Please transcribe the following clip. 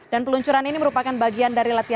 dan peluncuran ini merupakan bagian dari latihan